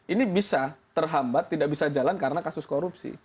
ini bisa terhambat tidak bisa jalan karena kasus korupsi